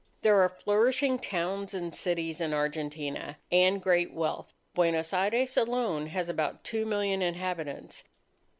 There are flourishing towns and cities in Argentina, and great wealth. Buenos Aires alone has about two million inhabitants.